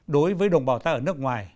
đối với đồng bào ta ở nước ngoài